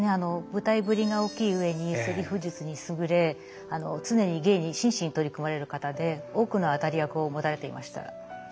舞台振りが大きい上にセリフ術に優れ常に芸に真摯に取り組まれる方で多くの当たり役を持たれていました。